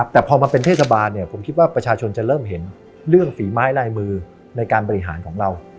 แต่พอมาเป็นเทศบาลเนี่ยผมคิดว่าประชาชนจะเริ่มเห็นเรื่องฝีไม้ลายมือในการบริหารของเรา